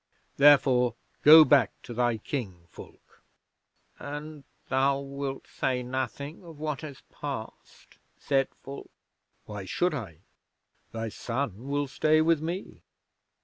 Therefore, go back to thy King, Fulke." '"And thou wilt say nothing of what has passed?" said Fulke. '"Why should I? Thy son will stay with me.